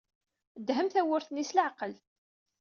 Dehhem tawwurt-nni s leɛqel.